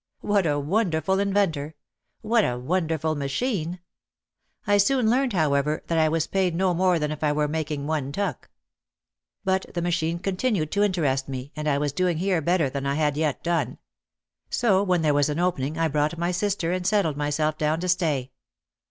"What a wonderful inventor! What a wonderful ma chine l" I soon learned, however, that I was paid no more than if I were making one tuck ! But the machine continued to interest me, and I was doing here better than I had yet done. So when there was an opening I brought my sister and settled myself down to stay.